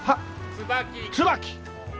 ツバキ！